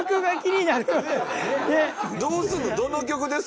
どうするの？